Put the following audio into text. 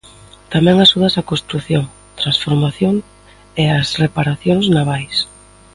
Tamén axudas á construción, transformación e ás reparacións navais.